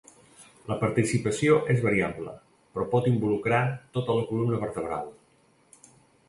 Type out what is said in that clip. La participació és variable, però pot involucrar tota la columna vertebral.